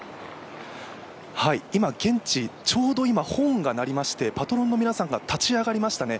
現地ちょうど今、ホーンが鳴りましてパトロンの皆さんが立ち上がりましたね。